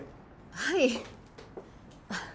はい。